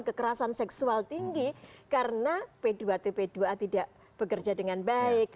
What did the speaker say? kekerasan seksual tinggi karena p dua tp dua a tidak bekerja dengan baik